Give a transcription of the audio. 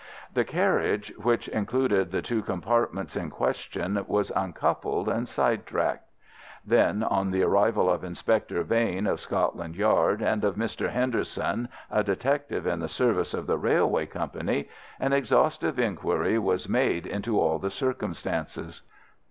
The carriage which included the two compartments in question was uncoupled and side tracked. Then, on the arrival of Inspector Vane, of Scotland Yard, and of Mr. Henderson, a detective in the service of the railway company, an exhaustive inquiry was made into all the circumstances.